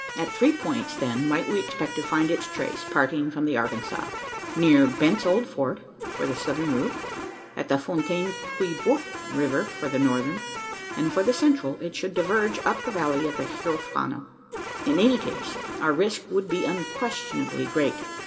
At three points, then, might we expect to find its trace parting from the Arkansas near Bent's Old Fort, for the southern route: at the Fontaine que bouit river, for the northern; and for the central, it should diverge up the valley of the Huerfano. In any case, our risk would be unquestionably great.